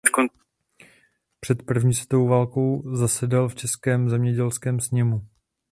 Před první světovou válkou zasedal v Českém zemském sněmu.